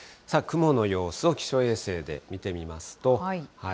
雲の様子を気象衛星で見てみますと。